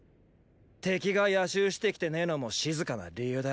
敵が夜襲してきてねェのも静かな理由だ。